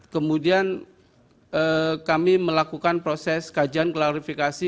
kemudian kami melakukan proses kajian klarifikasi